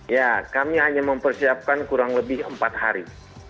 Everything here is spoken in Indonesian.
ya kami hanya mempersiapkan kurang lebih empat hari